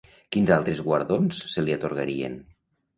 Quins altres guardons se li atorgarien?